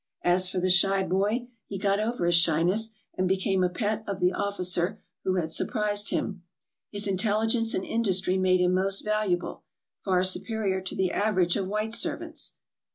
As for the shy boy, he got over his shyness and became a pet of the officer who had surprised him. His intelligence and industry made him most valuable, far superior to the average 348 TRAVELERS AND EXPLORERS of white servants.